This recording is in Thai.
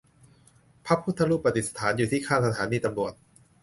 พระพุทธรูปประดิษฐานอยู่ที่ข้างสถานีตำรวจ